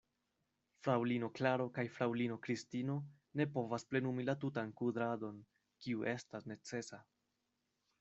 Fraŭlino Klaro kaj fraŭlino Kristino ne povas plenumi la tutan kudradon, kiu estas necesa.